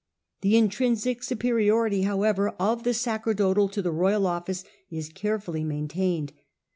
The intrinsic superiority, however, of the sacerdotal to the royal office is carefully nfain iidned.